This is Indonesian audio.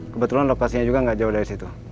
kebetulan lokasinya juga nggak jauh dari situ